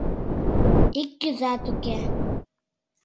— Ик кӱзат уке...